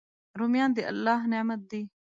رومیان د الله نعمت دی